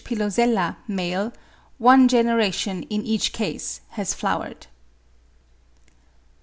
Pilosella $ one generation in each case has flowered. 4.